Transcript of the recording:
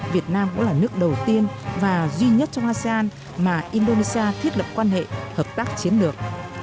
việt nam cũng là nước đầu tiên và duy nhất trong asean mà indonesia thiết lập quan hệ hợp tác chiến lược